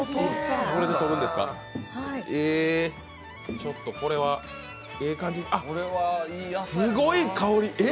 ちょっとこれはええ感じ、すごい香り。